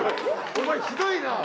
お前ひどいな！